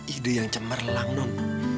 ide yang cemerlang non